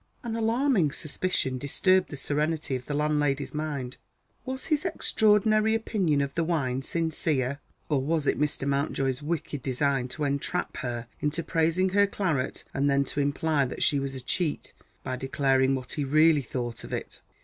An alarming suspicion disturbed the serenity of the landlady's mind. Was his extraordinary opinion of the wine sincere? Or was it Mr. Mountjoy's wicked design to entrap her into praising her claret and then to imply that she was a cheat by declaring what he really thought of it?